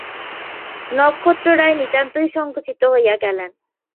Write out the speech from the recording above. নক্ষত্ররায় নিতান্ত সংকুচিত হইয়া গেলেন।